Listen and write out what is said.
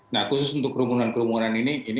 nah khusus untuk kerumunan kerumunan ini